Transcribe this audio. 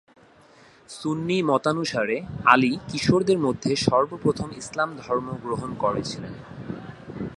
সুন্নি মতানুসারে আলী কিশোরদের মধ্যে সর্বপ্রথম ইসলাম ধর্ম গ্রহণ করেছিলেন।